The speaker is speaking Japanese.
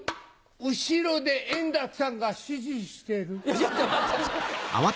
後ろで円楽さんが指示してる。